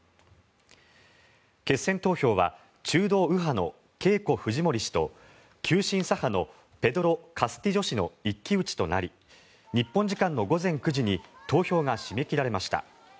決選投票は中道右派のケイコ・フジモリ氏と急進左派のペドロ・カスティジョ氏の一騎打ちとなり日本時間の午前９時に投票が締め切られました。